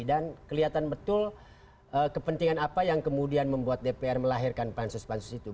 dan kelihatan betul kepentingan apa yang kemudian membuat dpr melahirkan pansus pansus itu